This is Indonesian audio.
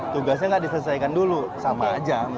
tugasnya nggak diselesaikan dulu sama aja